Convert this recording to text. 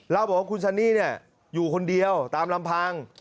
เราบอกว่าคุณซันนี่อยู่คนเดียวตามลำพัง